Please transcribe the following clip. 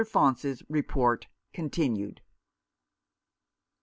FAUNCE'S REPORT CONTINUED.